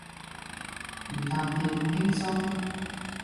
唔搭鐵，輕鬆